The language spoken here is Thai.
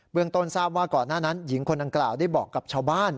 ต้นทราบว่าก่อนหน้านั้นหญิงคนดังกล่าวได้บอกกับชาวบ้าน